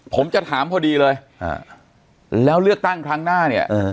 ผมจะถามพอดีเลยแล้วเลือกตั้งครั้งหน้าเนี่ย